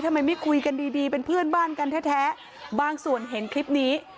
ไม่คุยกันดีดีเป็นเพื่อนบ้านกันแท้บางส่วนเห็นคลิปนี้